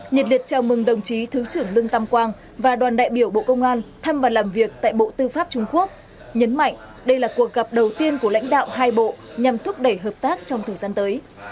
nhật liệt chào mừng đồng chí thứ trưởng lương tâm quang và đoàn đại biểu bộ công an thăm và làm việc tại bộ tư pháp trung quốc nhấn mạnh đây là cuộc gặp đầu tiên của lãnh đạo hai bộ nhằm thúc đẩy hợp tác trong thời gian tới